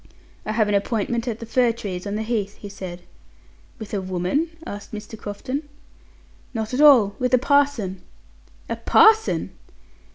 "I have an appointment at the fir trees on the Heath," he said. "With a woman?" asked Mr. Crofton. "Not at all; with a parson." "A parson!"